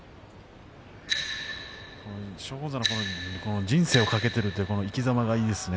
松鳳山の人生を懸けている生きざまがいいですね。